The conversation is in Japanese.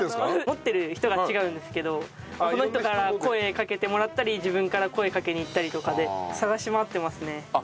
持ってる人が違うんですけどその人から声かけてもらったり自分から声かけに行ったりとかで探し回ってますね。